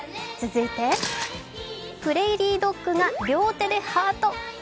続いてプレイリードッグが両手でハート。